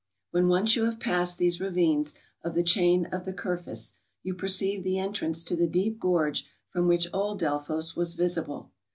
When once you have passed these ravines of the chain of the Kirphis you perceive the entrance to the deep gorge from which old Delphos was visible.